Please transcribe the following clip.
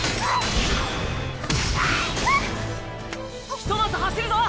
ひとまず走るぞ！